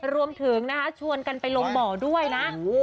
รวมถึงนะคะชวนกันไปลงบ่อด้วยนะ